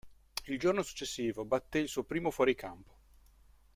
Il giorno successivo batté il suo primo fuoricampo.